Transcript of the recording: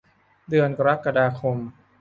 เดือนกรกฎาคม